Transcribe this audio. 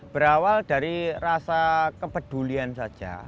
berawal dari rasa kepedulian saja